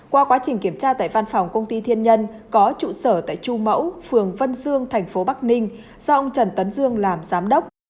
qua quá trình kiểm tra tại văn phòng công ty thiên nhân có trụ sở tại chu mẫu phường vân dương thành phố bắc ninh do ông trần tấn dương làm giám đốc